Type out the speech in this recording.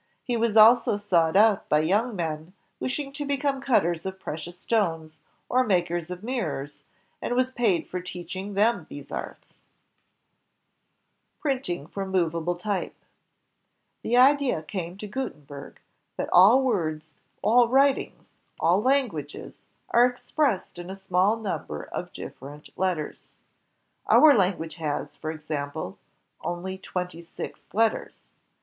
He was also sought out by young men wishing to become cutters of precious stones or makers of mirrors, and was paid for teaching them these arts. MVnnOBS AMD INVENTIONS — Z3 194 inventions of printing and communication Printing from Movable Type The idea came to Gutenberg, that all words, all writings, all languages are expressed in a small number of differ ent letters. Our language has, for example, only twenty six letters.